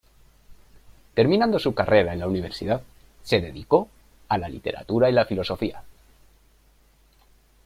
Terminando su carrera en la universidad se dedicó a la literatura y la filosofía.